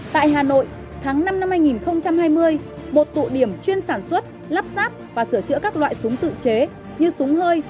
tại hà nội tháng năm năm hai nghìn hai mươi một tụ điểm chuyên sản xuất lắp ráp và sửa chữa các loại súng tự chế như súng hơi